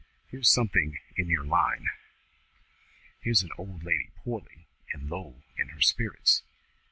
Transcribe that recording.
"Here's something in your line. Here's an old lady poorly and low in her spirits.